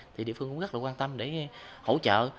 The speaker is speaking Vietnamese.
thì địa phương cũng rất là quan tâm để hỗ trợ